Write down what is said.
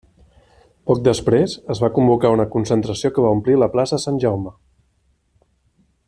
Poc després, es va convocar una concentració que va omplir la plaça Sant Jaume.